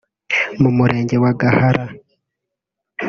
mu Murenge wa Gahara